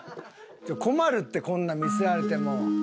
困るってこんなん見せられても。